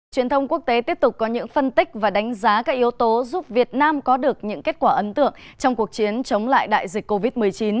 truyền thông quốc tế tiếp tục có những phân tích và đánh giá các yếu tố giúp việt nam có được những kết quả ấn tượng trong cuộc chiến chống lại đại dịch covid một mươi chín